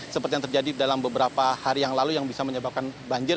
seperti yang terjadi dalam beberapa hari yang lalu yang bisa menyebabkan banjir